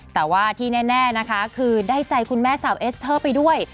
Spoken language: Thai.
แต่ว่าที่แน่นะคะคือได้ใจคุณแม่สาวเอสเตอร์ไปด้วย